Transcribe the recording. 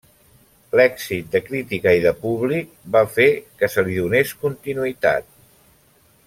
L'èxit de crítica i de públic va fer que se li donés continuïtat.